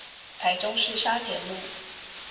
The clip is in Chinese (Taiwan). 台中市沙田路